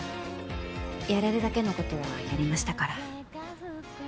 やれるだけのことはやりましたから。